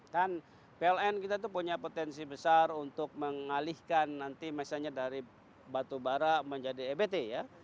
kan pln kita itu punya potensi besar untuk mengalihkan nanti misalnya dari batubara menjadi ebt ya